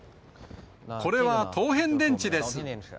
これは刀片電池です。